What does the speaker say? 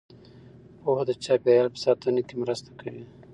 پوهه د چاپیریال په ساتنه کې مرسته کوي.